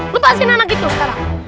lepasin anak itu sekarang